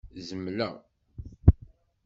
Zemleɣ?